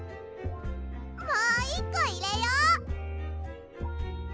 もう１こいれよう！